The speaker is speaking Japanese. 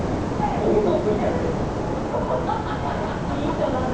もう嘘ついちゃってるもん。